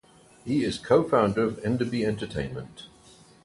He is co-founder of Enderby Entertainment.